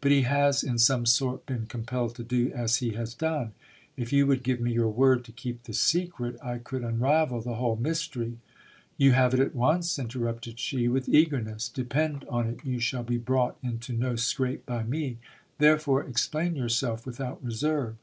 But he has in some sort "'been compelled to do as he has done. If you would give me your word to keep the secret, I could unravel the whole mystery. You have it at once, interrupted she with eagerness ; depend on it you shall be brought into no scrape by me, therefore explain yourself without reserve.